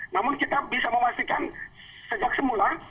namun kita bisa memastikan sejak semula